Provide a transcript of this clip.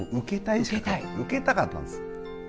ウケたかったんです。